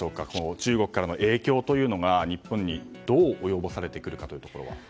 中国からの影響というのが日本にどう及ぼされてくるか。